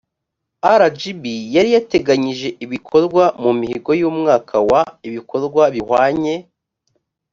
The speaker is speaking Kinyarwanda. rgb yari yateganyije ibikorwa mu mihigo y umwaka wa ibikorwa bihwanye